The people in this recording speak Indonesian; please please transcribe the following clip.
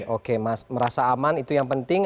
oke mas merasa aman itu yang penting